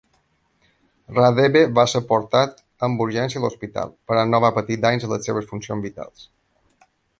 Radebe va ser portat amb urgència a l'hospital, però no va patir danys a les seves funcions vitals.